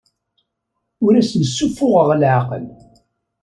Ur asen-ssuffuɣeɣ leɛqel.